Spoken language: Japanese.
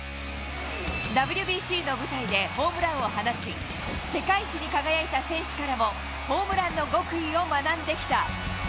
ＷＢＣの舞台でホームランを放ち、世界一に輝いた選手からもホームランの極意を学んできた。